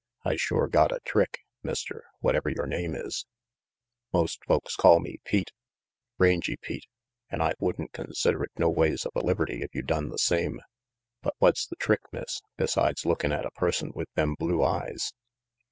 I sure got a trick, Mister whatever your name is " "Most folks call me Pete, Rangy Pete, an' I would'n consider it noways of a liberty if you done the same. But what's the trick, Miss, besides lookin' at a person with them blue eyes?"